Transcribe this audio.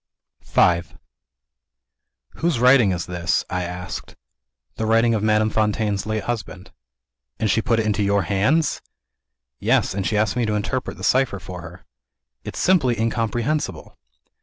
V "Whose writing is this?" I asked. "The writing of Madame Fontaine's late husband." "And she put it into your hands!" "Yes and asked me to interpret the cipher for her." "It's simply incomprehensible."